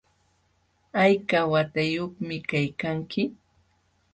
¿Hayka watayuqmi kaykanki?